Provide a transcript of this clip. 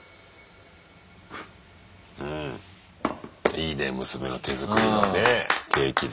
いいね娘の手作りのねケーキで。